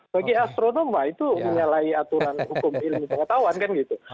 bagi astronomma itu menyalahi aturan hukum ilmu pengetahuan kan gitu